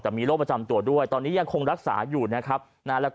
แต่มีโรคประจำตัวด้วยตอนนี้ยังคงรักษาอยู่นะครับนะแล้วก็